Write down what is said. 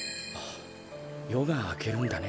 よがあけるんだね。